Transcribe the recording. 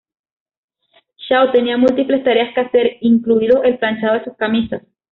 Shaw tenía múltiples tareas que hacer, incluido el planchado de sus camisas.